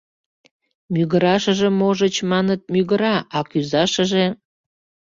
Мӱгырашыже, можыч, маныт, мӱгыра, а кӱзашыже...